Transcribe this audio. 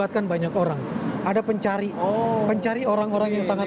sendiri maksudnya gimana dia melibatkan banyak orang ada pencari pencari orang orang yang sangat